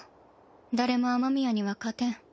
誰も雨宮には勝てん。